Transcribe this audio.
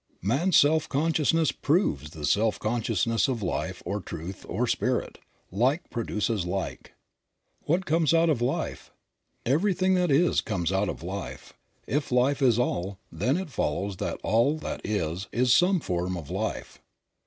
Man's self consciousness proves the self consciousness of Life or Truth or Spirit. Like produces like. What comes out of life? Everything that is comes out of life. If life is all then it follows that all that is is some form of life. 72 Creative Mind.